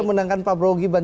menangkan pak prabowo gibran